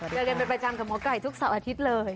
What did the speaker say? เจอกันเป็นประจำกับหมอไก่ทุกเสาร์อาทิตย์เลย